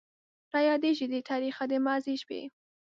رايادېږي دې تاريخه د ماضي شپې